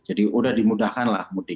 jadi udah dimudahkanlah mudik